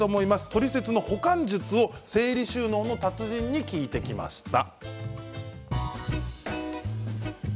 トリセツの保管術を整理収納の達人に聞いてきました。